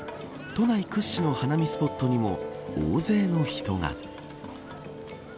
都内屈指の花見スポットにも大勢の人が。